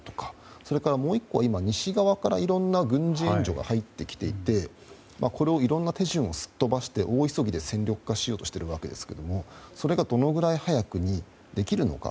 それから、もう１つは今、西側からいろんな軍事援助が入ってきていてこれをいろんな手順をすっ飛ばして大急ぎで戦力化しようとしているわけですけどもそれがどのくらい早くできるか。